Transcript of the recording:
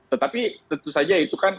tetapi tentu saja itu kan